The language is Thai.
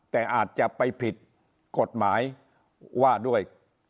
แต่อาจจะไปผิดกฎหมายว่าด้วย